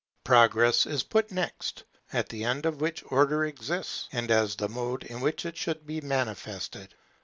Progress is put next, as the end for which Order exists, and as the mode in which it should be manifested.